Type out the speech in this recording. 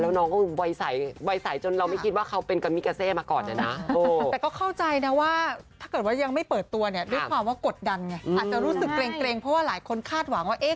แล้วน้องก็ไวไสจนเราไม่คิดว่าเขาเป็นกับมิกาเซมาก่อนเนี่ยนะ